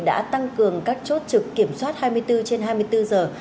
đã tăng cường các chốt trực kiểm soát hai mươi bốn trên hai mươi bốn giờ